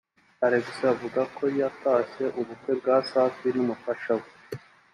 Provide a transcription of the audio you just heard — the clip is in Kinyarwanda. Alexis avuga ko yatashye ubukwe bwa Safi n’umufasha we